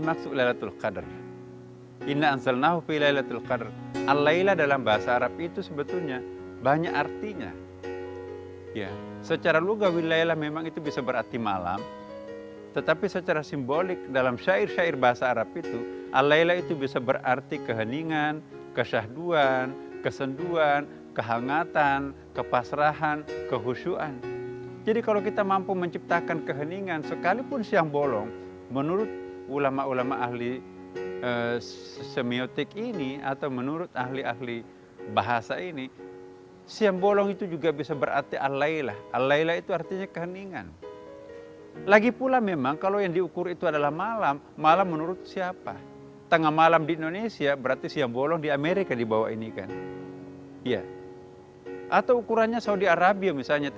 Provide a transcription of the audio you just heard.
maka insya allah akan mendapatkan kekuatan kekuatan energi batin yang dahsyat dari allah swt